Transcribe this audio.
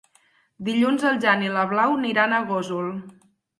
Dilluns en Jan i na Blau aniran a Gósol.